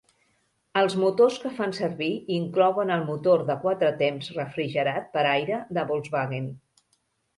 Els motors que fan servir inclouen el motor de quatre temps refrigerat per aire de Volkswagen.